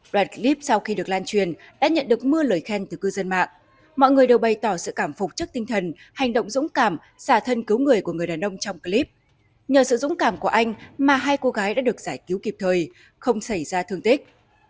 đoạn clip sau khi được lan truyền đã nhận được mưa lời khen từ cư dân mạng mọi người đều bày tỏ sự cảm phục trước tinh thần hành động dũng cảm xả thân cứu người của người đàn ông trong clip nhờ sự dũng cảm của anh mà hai cô gái đã được giải cứu kịp thời không xảy ra thương tích